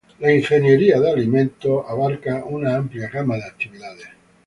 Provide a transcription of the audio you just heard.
La ingeniería de alimentos abarca una amplia gama de actividades.